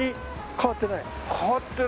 変わってないね。